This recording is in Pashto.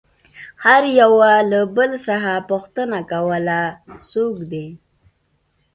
هر يوه له بل څخه پوښتنه کوله څوک دى.